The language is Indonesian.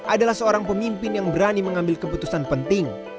adalah seorang pemimpin yang berani mengambil keputusan penting